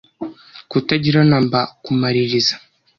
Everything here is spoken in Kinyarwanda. kutagira na mba kumaririza